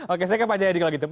oke saya ke pak jadik lagi